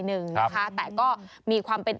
หนึ่งนะคะแต่ก็มีความเป็น